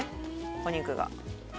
お肉がで